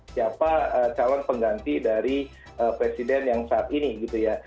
siapa calon pengganti dari presiden yang saat ini gitu ya